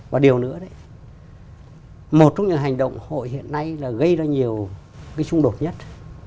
và điều nữa một trong những hành động hội hiện nay gây ra nhiều trung đột nhất